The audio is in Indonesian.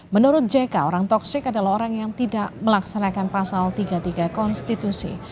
menurut jk orang toxic adalah orang yang tidak melaksanakan pasal tiga puluh tiga konstitusi